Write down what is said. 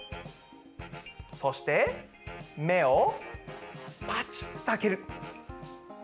そしてめをパチッとあける。